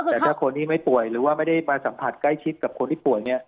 แต่ถ้าคนที่ไม่ป่วยหรือว่าไม่ได้มาสัมผัสใกล้ชิดกับคนที่ป่วยเนี่ย